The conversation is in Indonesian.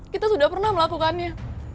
kita sudah pernah melakukannya